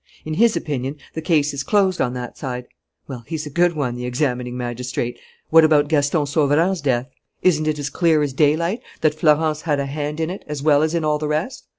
In his opinion the case is closed on that side. Well, he's a good one, the examining magistrate! What about Gaston Sauverand's death? Isn't it as clear as daylight that Florence had a hand in it, as well as in all the rest?